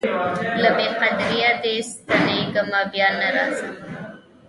له بې قدریه دي ستنېږمه بیا نه راځمه